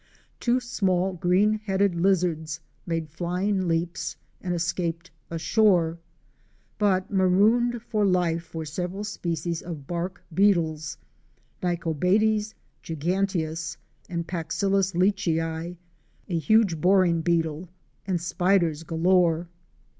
Two small green headed lizards made flying leaps and escaped ashore. But marooned for life were several species of bark beetles (Nyctobates giganteus and Paxillus leachii), a huge boring beetle, and spiders galore.